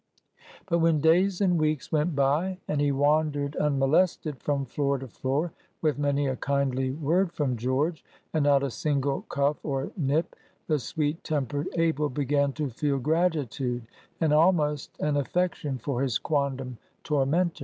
But, when days and weeks went by, and he wandered unmolested from floor to floor, with many a kindly word from George, and not a single cuff or nip, the sweet tempered Abel began to feel gratitude, and almost an affection, for his quondam tormentor.